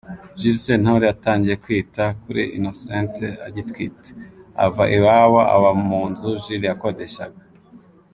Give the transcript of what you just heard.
Jules Sentore yatangiye kwita kuri Innocente agitwite, ava iwabo aba mu nzu Jules yakodeshaga.